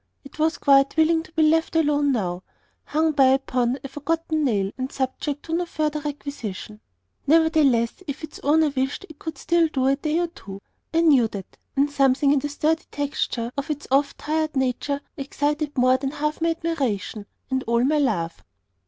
It was quite willing to be left alone now, hung by upon a forgotten nail, and subject to no further requisition. Nevertheless, if its owner wished, it could still do a day or two. I knew that; and something in the sturdy texture of its oft tried nature excited more than half my admiration, and all my love.